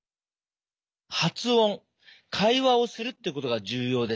発音会話をするってことが重要です。